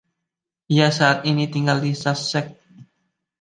Ia saat ini tinggal di Sussex